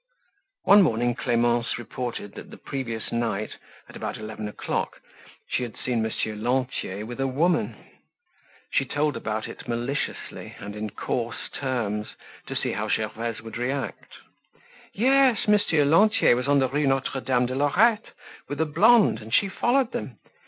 One morning Clemence reported that the previous night, at about eleven o'clock, she had seen Monsieur Lantier with a woman. She told about it maliciously and in coarse terms to see how Gervaise would react. Yes, Monsieur Lantier was on the Rue Notre Dame de Lorette with a blonde and she followed them.